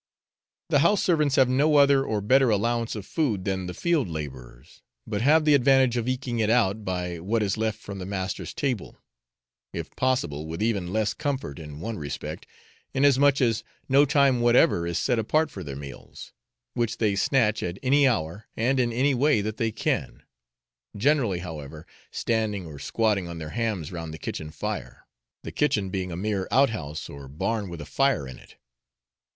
The house servants have no other or better allowance of food than the field labourers, but have the advantage of eking it out by what is left from the master's table, if possible, with even less comfort in one respect, inasmuch as no time whatever is set apart for their meals, which they snatch at any hour and in any way that they can generally, however, standing or squatting on their hams round the kitchen fire; the kitchen being a mere outhouse or barn with a fire in it.